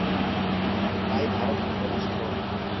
তাই ভারত হিন্দুরাষ্ট্র।